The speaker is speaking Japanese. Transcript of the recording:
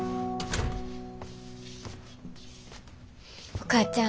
お母ちゃん。